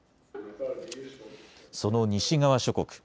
その西側諸国。